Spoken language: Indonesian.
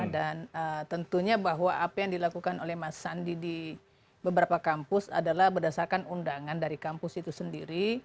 dan tentunya bahwa apa yang dilakukan oleh mas andi di beberapa kampus adalah berdasarkan undangan dari kampus itu sendiri